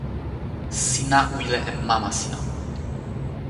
sina wile e mama sina.